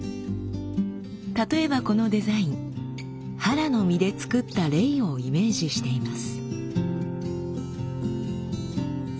例えばこのデザインハラの実で作ったレイをイメージしています。